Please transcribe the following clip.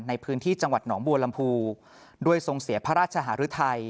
ในพื้นที่จังหวัดหนองบัวลำพูด้วยทรงเสียพระราชหารุทัย